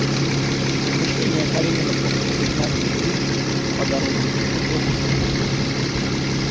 Размышления Каренина после признаний жены по дороге из Петергофа в Петербург.